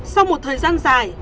sau một thời gian dài